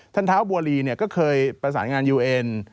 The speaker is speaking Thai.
เท้าบัวลีก็เคยประสานงานยูเอ็น